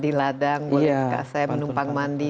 di ladang boleh saya menumpang mandi